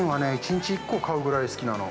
１日１個買うぐらい好きなの。